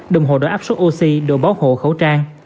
đồng hồ đổi áp sốt oxy đổi báo hộ khẩu trang